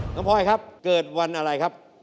พลอยครับเกิดวันอะไรครับ